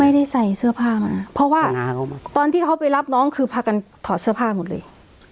ใส่เสื้อผ้ามาเพราะว่าตอนที่เขาไปรับน้องคือพากันถอดเสื้อผ้าหมดเลย